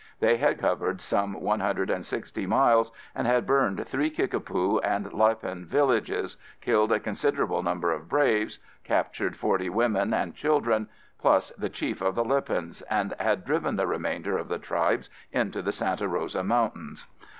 They had covered some 160 miles and had burned three Kickapoo and Lipan villages, killed a considerable number of braves, captured forty women and children, plus the chief of the Lipans, and had driven the remainder of the tribes into the Santa Rosa Mountains.